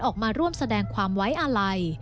ออกมาร่วมแสดงความไว้อาลัย